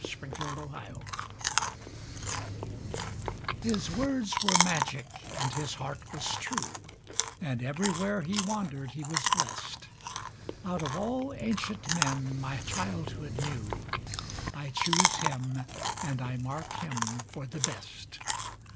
|65| UNCLE ANANIAS His words were magic and his heart was true, And everywhere he wandered he was blessed. Out of all ancient men my childhood knew I choose him and I mark him for the best.